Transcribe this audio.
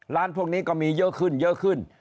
ร้านพวกนี้ก็มีเยอะขึ้นเยอะขึ้น